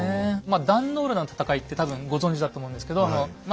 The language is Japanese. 壇の浦の戦いって多分ご存じだと思うんですけどま